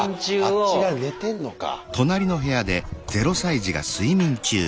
あっあっち側寝てんのか。